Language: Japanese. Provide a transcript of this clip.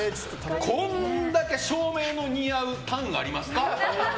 これだけ照明の似合うタンありますか？